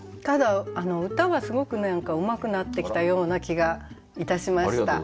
ただ歌はすごく何かうまくなってきたような気がいたしました。